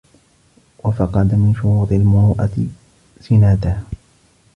وَفَقَدَ مِنْ شُرُوطِ الْمُرُوءَةِ سِنَادَهَا